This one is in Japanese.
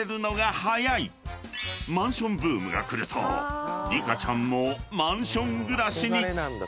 ［マンションブームが来るとリカちゃんもマンション暮らしに］